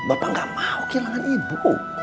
bapak gak mau kehilangan ibu